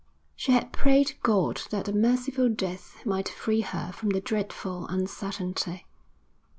She had prayed God that a merciful death might free her from the dreadful uncertainty.